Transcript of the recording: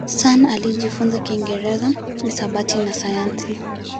Sun alijifunza Kiingereza, hisabati na sayansi.